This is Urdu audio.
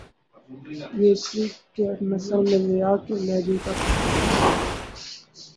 یوسفی کی نثر میں ضیاء کے لہجے کا ٹھاٹ